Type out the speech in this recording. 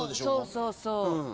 そうそうそう。